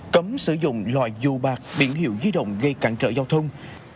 cấm sử dụng loại dù bạc biển hiệu di động gây cản trở giao thông